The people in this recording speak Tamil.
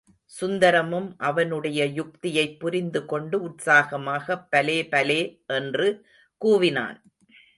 சுந்தரமும் அவனுடைய யுக்தியைப் புரிந்து கொண்டு உற்சாகமாகப் பலே, பலே என்று கூவினான்.